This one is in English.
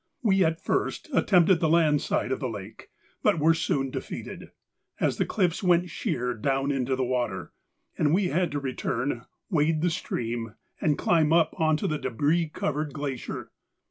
We at first attempted the land side of the lake, but were soon defeated, as the cliffs went sheer down into the water, and we had to return, wade the stream, and climb up on to the débris covered glacier.